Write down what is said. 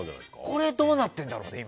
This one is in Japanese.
これ、どうなってるんだろうね。